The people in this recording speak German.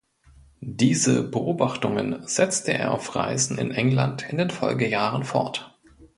Diese Beobachtungen setzte er auf Reisen in England in den Folgejahren fort.